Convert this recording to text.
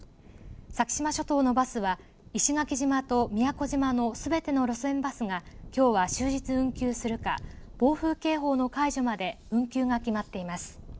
先島諸島のバスは石垣島と宮古島のすべての路線バスがきょうは終日運休するか暴風警報の解除まで運休が決まっています。